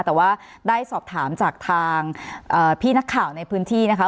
แต่ว่าได้สอบถามจากทางพี่นักข่าวในพื้นที่นะคะ